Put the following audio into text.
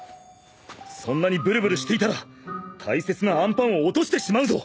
そんなにぶるぶるしていたら大切なあんパンを落としてしまうぞ！